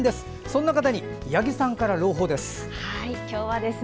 そんな方に八木さんから朗報です。